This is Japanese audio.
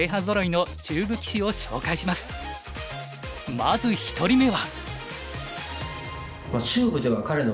まず１人目は。